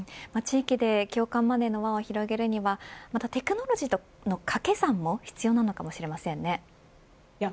地域で共感マネーの輪を広げるにはテクノロジーとの掛け算も必要なのかもしれませんね。